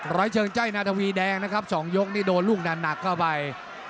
ร้อยเชิงใจนาทวีแดงนะครับ๒ยกนี่โดนลูกหนักเข้าไป